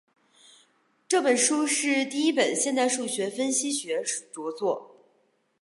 这本书是第一本现代数学分析学着作。